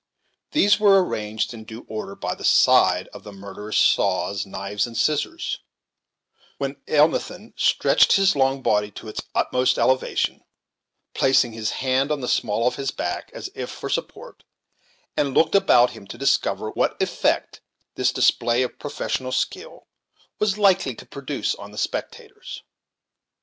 These were arranged in due order by the side of the murderous saws, knives, and scissors, when Elnathan stretched his long body to its utmost elevation, placing his hand on the small of his back as if for support, and looked about him to discover what effect this display of professional skill was likely to produce on the spectators.